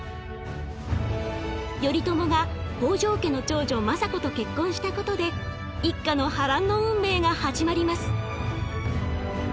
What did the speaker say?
頼朝が北条家の長女政子と結婚したことで一家の波乱の運命が始まります。